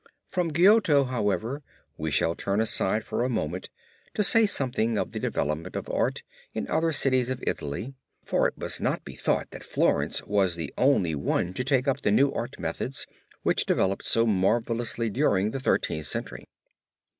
From Giotto, however, we shall turn aside for a moment to say something of the development of art in other cities of Italy, for it must not be thought that Florence was the only one to take up the new art methods which developed so marvelously during the Thirteenth Century.